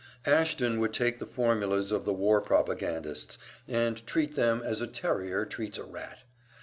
Ashton would take the formulas of the war propagandists and treat them as a terrier treats a rat.